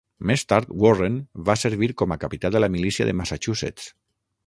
Més tard Warren va servir com a capità de la milícia de Massachusetts.